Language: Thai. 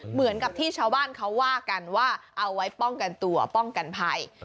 เหมือนกับที่ชาวบ้านเขาว่ากันว่าเอาไว้ป้องกันตัวป้องกันภัย